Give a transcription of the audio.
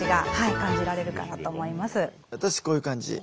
私こういう感じ。